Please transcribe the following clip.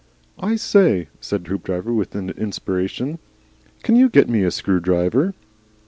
"I say," said Hoopdriver, with an inspiration, "can you get me a screwdriver?"